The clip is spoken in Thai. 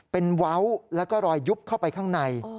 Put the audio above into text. เป็นเว้าแล้วก็รอยยุบเข้าไปข้างใน